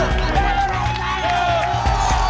tadi saya kesini kalian gak ada